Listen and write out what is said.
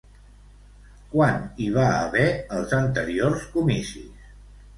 Quan hi va haver els anteriors comicis?